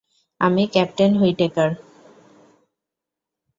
আমি captain Whitaker.